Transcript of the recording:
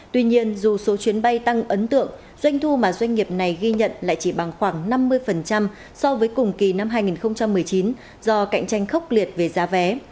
tuy nhiên dù số chuyến bay tăng ấn tượng doanh thu mà doanh nghiệp này ghi nhận lại chỉ bằng khoảng năm mươi so với cùng kỳ năm hai nghìn một mươi chín do cạnh tranh khốc liệt về giá vé